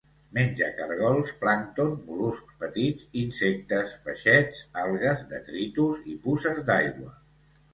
Menja caragols, plàncton, mol·luscs petits, insectes, peixets, algues, detritus i puces d'aigua.